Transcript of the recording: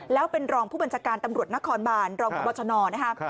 แล้วเป็นรองผู้บัญชาการตำรวจนครบานรองบอร์ชนอร์นะฮะ